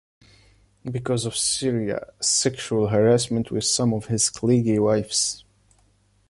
Because of Seria sexual harassment with some of his cleagy wives.